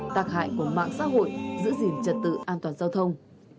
tạc hại của mạng xã hội giữ gìn trật tự an toàn giao thông